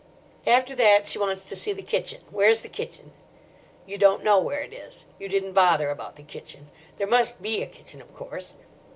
After that she wants to see the kitchen—where's the kitchen? You don't know where it is. You didn't bother about the kitchen. There must be a kitchen, of course.